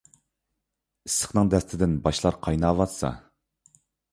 ئىسسىقنىڭ دەستىدىن باشلار قايناۋاتسا.